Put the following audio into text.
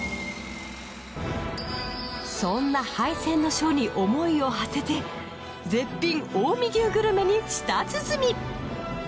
そんな敗戦の将に想いを馳せて絶品近江牛グルメに舌鼓